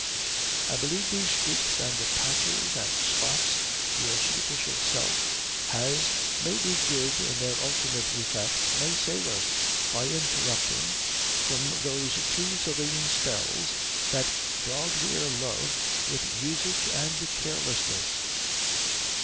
"I believe these streaks and patches and spots your superficial self has may be good in their ultimate effect, may save us, by interrupting, from those too serene spells that dogs' ear love with usage and carelessness."